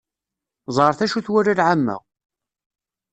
Ẓret acu twala lεamma.